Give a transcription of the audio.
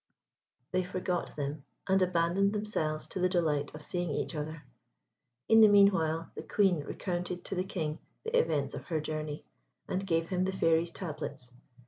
They forgot them, and abandoned themselves to the delight of seeing each other again. In the meanwhile, the Queen recounted to the King the events of her journey, and gave him the Fairy's tablets.